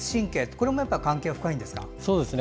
これも関係は深いんですか？